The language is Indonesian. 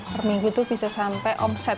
per minggu tuh bisa sampai omset